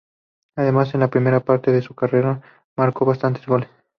Además, en la primera parte de su carrera marcó bastantes goles.